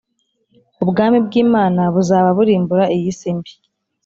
Ubwami bw’Imana buzaba burimbura iyi si mbi